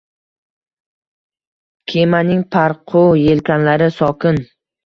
Kemaning parqu yelkanlari sokin.